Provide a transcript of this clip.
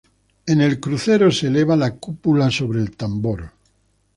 En el crucero se eleva la cúpula sobre el tambor.